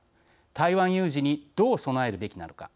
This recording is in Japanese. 台湾有事にどう備えるべきなのか。